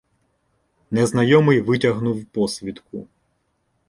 Незнайомий витягнув посвідку.